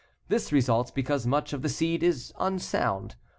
This results because much of the seed is unsound.